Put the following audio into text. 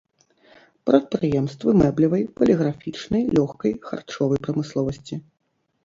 Прадпрыемствы мэблевай, паліграфічнай, лёгкай, харчовай прамысловасці.